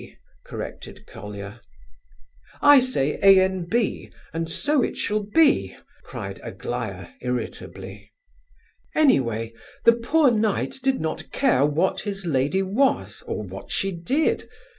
corrected Colia. "I say A. N. B., and so it shall be!" cried Aglaya, irritably. "Anyway, the 'poor knight' did not care what his lady was, or what she did.